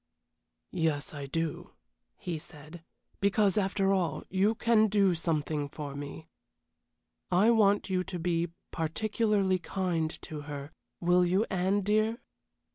"Yes, I do," he said, "because, after all, you can do something for me. I want you to be particularly kind to her, will you, Anne, dear?"